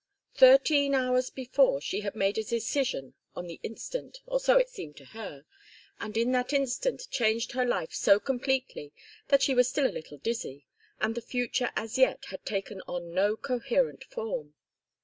Thirteen hours before she had made a decision on the instant, or so it seemed to her, and in that instant changed her life so completely that she was still a little dizzy, and the future as yet had taken on no coherent form.